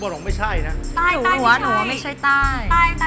บอกมาเร็วถ้าอยากให้น้องเขาเข้ารอบต้องช่วยเชียร์เขา